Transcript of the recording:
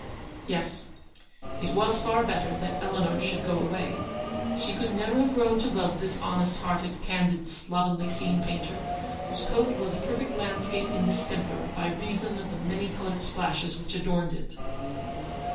Yes, it was far better that Eleanor should go away. She could never have«.grown to love this honest hearted, candid, slovenly scene painter, whose coat was a perfect landscape in distemper by reason of the many coloured splashes which adorned it.